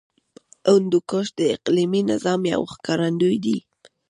هندوکش د اقلیمي نظام یو ښکارندوی دی.